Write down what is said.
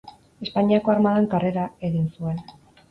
Espainiako Armadan karrera egin zuen.